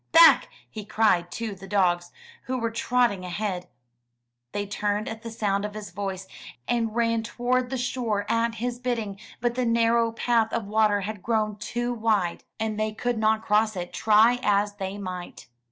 Back!'' he cried to the dogs, who were trotting ahead. They turned at the sound of his voice, and ran toward the shore at his bidding, but the narrow path of water had grown too wide, and they could not 389 MY BOOK HOUSE cross it, try as they might.